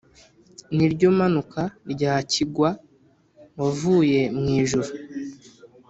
n’iryo manuka rya kigwa wavuye mw’ijuru,